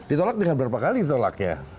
ditolak dengan berapa kali ditolaknya